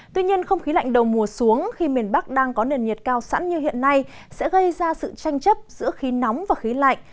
tuy nhiên không khí lạnh đầu mùa xuống khi miền bắc đang có nền nhiệt cao sẵn như hiện nay sẽ gây ra sự tranh chấp giữa khí nóng và khí lạnh